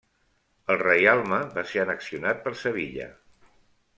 El reialme va ser annexionat per Sevilla.